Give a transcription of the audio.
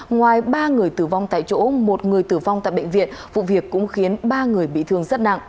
ngoài ba người tử vong tại chỗ một người tử vong tại bệnh viện vụ việc cũng khiến ba người bị thương rất nặng